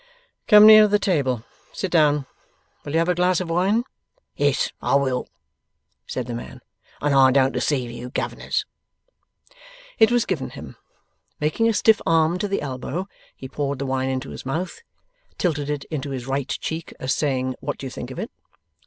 'Come nearer the table. Sit down. Will you have a glass of wine?' 'Yes, I will,' said the man; 'and I don't deceive you, Governors.' It was given him. Making a stiff arm to the elbow, he poured the wine into his mouth, tilted it into his right cheek, as saying, 'What do you think of it?